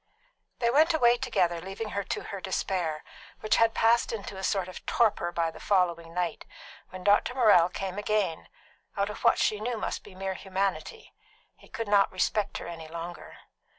They went away together, leaving her to her despair, which had passed into a sort of torpor by the following night, when Dr. Morrell came again, out of what she knew must be mere humanity; he could not respect her any longer.